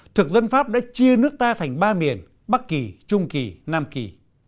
thực dân pháp đã chia nước ta thành ba miền bắc kỳ trung kỳ nam kỳ